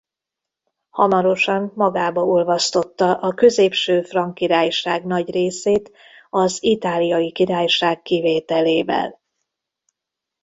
Hamarosan magába olvasztotta a Középső Frank Királyság nagy részét az Itáliai Királyság kivételével.